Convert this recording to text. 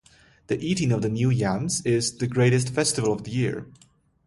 The eating of the new yams is the greatest festival of the year.